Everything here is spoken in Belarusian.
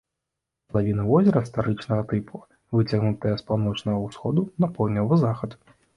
Катлавіна возера старычнага тыпу, выцягнутая з паўночнага ўсходу на паўднёвы захад.